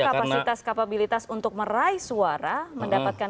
jadi kapasitas kapabilitas untuk meraih suara mendapatkan